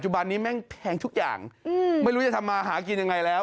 แม่งแพงทุกอย่างไม่รู้จะทำมาหากินอย่างไรแล้ว